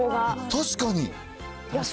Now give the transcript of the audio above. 確かに。